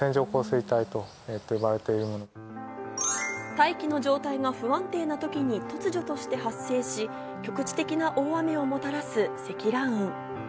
大気の状態が不安定な時に突如として発生し、局地的な大雨をもたらす積乱雲。